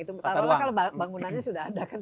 tata ruang kalau bangunannya sudah ada kan